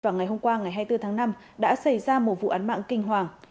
vào ngày hôm qua ngày hai mươi bốn tháng năm đã xảy ra một vụ án mạng kinh hoàng